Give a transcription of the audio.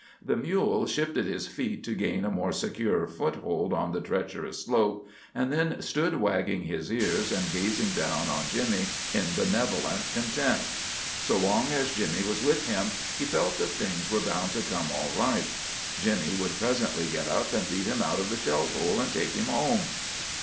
The mule shifted his feet to gain a more secure foothold on the treacherous slope, and then stood wagging his ears and gazing down on Jimmy in benevolent content. So long as Jimmy was with him, he felt that things were bound to come all right. Jimmy would presently get up and lead him out of the shell hole, and take him home.